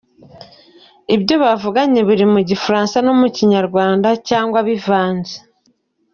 Ibyo bavuganye biri mu gifaransa no mu kinyarwanda cyangwa bivanze.